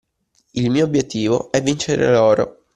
Il mio obiettivo è vincere l'oro.